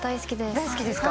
大好きですか？